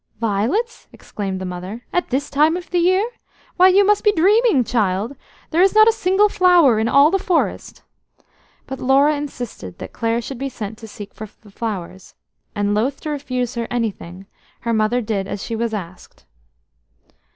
"'Violets'?" exclaimed the mother, "at this time of the year? Why, you must be dreaming, child! There is not a single flower in all the forest!" But Laura insisted that Clare should be sent to seek for the flowers, and, loath to refuse her anything, her mother did as she was asked.